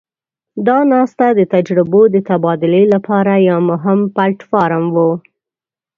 دا ناسته د تجربو د تبادلې لپاره یو مهم پلټ فارم وو.